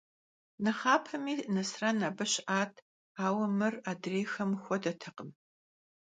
Nexhapemi Nesren abı şı'at, aue mır adrêyxem xuedetekhım.